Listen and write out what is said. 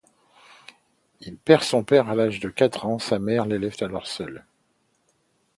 Il perd son père à l'âge de quatre ans, sa mère l’élève alors seule.